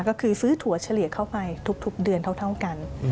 ก็คือซื้อถั่วเฉลี่ยเข้าไปทุกเดือนเท่ากัน